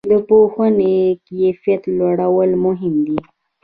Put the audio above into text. د پوهنې کیفیت لوړول مهم دي؟